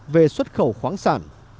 về xuất khẩu khoáng sản